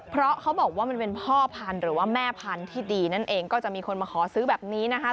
เพราะเขาบอกว่ามันเป็นพ่อพันธุ์หรือว่าแม่พันธุ์ที่ดีนั่นเองก็จะมีคนมาขอซื้อแบบนี้นะคะ